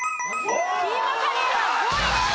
キーマカレーは５位です。